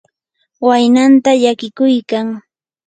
waynanta llakiykuykan.